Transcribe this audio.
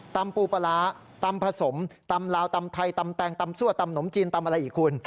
ปูปลาร้าตำผสมตำลาวตำไทยตำแตงตำซั่วตำหนมจีนตำอะไรอีกคุณ